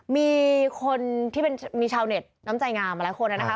มีคนที่เป็นมีชาวเน็ตน้ำใจงามหลายคนนะคะ